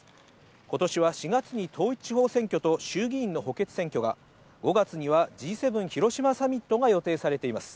今年は４月に統一地方選挙と衆議院の補欠選挙が、５月にはＧ７広島サミットが予定されています。